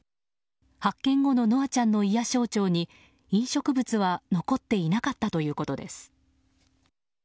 発見後の稀華ちゃんの胃や小腸に飲食物は残っていなかったということです。